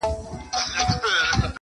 نن رستم د افسانو په سترګو وینم-